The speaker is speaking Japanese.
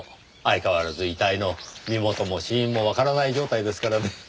相変わらず遺体の身元も死因もわからない状態ですからねぇ。